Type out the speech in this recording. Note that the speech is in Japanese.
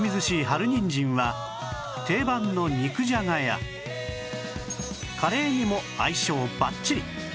春にんじんは定番の肉じゃがやカレーにも相性ばっちり！